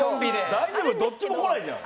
大丈夫？どっちも来ないじゃん。